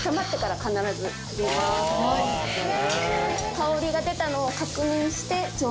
香りが出たのを確認して。